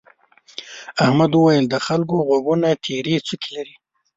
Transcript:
احمد وويل: د خلکو غوږونه تيرې څوکې لري.